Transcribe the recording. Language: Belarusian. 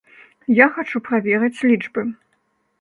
Я хачу праверыць лічбы.